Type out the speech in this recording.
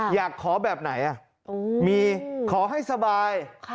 อยากขอแบบไหนมีขอให้สบาย